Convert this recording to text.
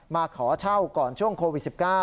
มาขอเช่าก่อนช่วงโควิด๑๙